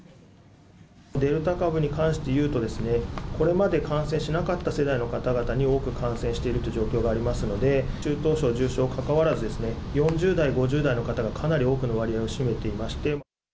デルタ株に関して言うと、これまで感染しなかった世代の方々に多く感染しているという状況がありますので、中等症、重症かかわらず、４０代、５０代の方がかなり多くの割合を占めていまして。